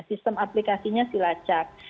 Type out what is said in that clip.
sistem aplikasinya silacak